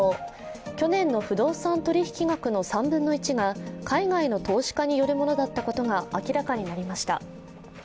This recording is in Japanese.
去年の不動産取引額の３分の１が海外の投資家によるものだったことが明らかになりました。